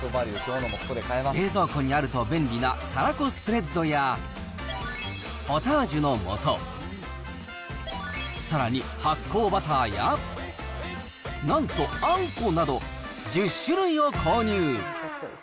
冷蔵庫にあると便利なたらこスプレッドや、ポタージュのもと、さらに発酵バターや、なんとあんこなど、１０種類を購入。